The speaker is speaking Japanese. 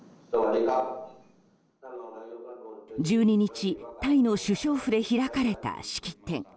１２日、タイの首相府で開かれた式典。